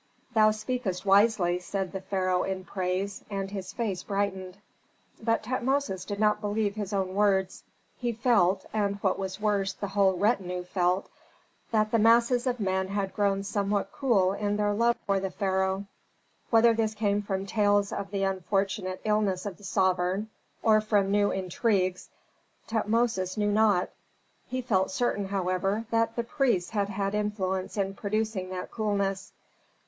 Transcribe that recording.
"Thou speakest wisely," said the pharaoh in praise, and his face brightened. But Tutmosis did not believe his own words. He felt, and what was worse the whole retinue felt, that the masses of men had grown somewhat cool in their love for the pharaoh. Whether this came from tales of the unfortunate illness of the sovereign, or from new intrigues, Tutmosis knew not; he felt certain, however, that the priests had had influence in producing that coolness.